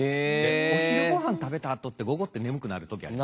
お昼ごはん食べたあとって午後眠くなるときある。